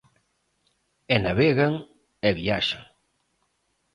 E navegan e viaxan.